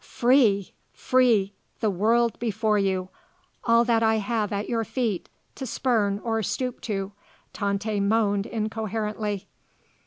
"Free! free! the world before you! all that I have at your feet, to spurn or stoop to!" Tante moaned incoherently.